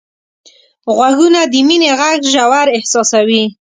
غوږونه د مینې غږ ژور احساسوي